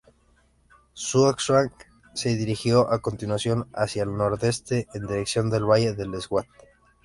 Xuanzang se dirigió a continuación hacia el nordeste en dirección al valle del Swat.